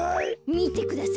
みてください。